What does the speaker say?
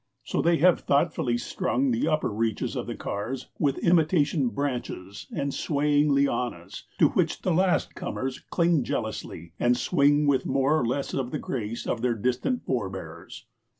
So they have thoughtfully strung the upper reaches of the cars with imitation branches and swaying lianas, to which the last comers cling jealously, and swing with more or less of the grace of their distant forbears.